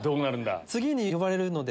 ⁉次に呼ばれるので。